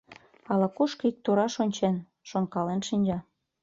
Ала-кушко ик тураш ончен, шонкален шинча.